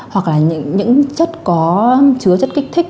hoặc là những chất có chứa chất kích thích